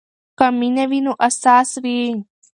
که مینه وي نو اساس وي.